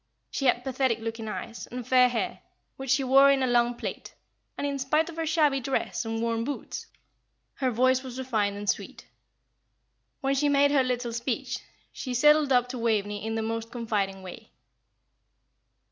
She had pathetic looking eyes, and fair hair, which she wore in a long plait, and in spite of her shabby dress and worn boots her voice was refined and sweet. When she made her little speech, she sidled up to Waveney in the most confiding way.